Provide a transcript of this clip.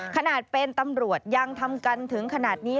ขนาดเป็นตำรวจยังทำกันถึงขนาดนี้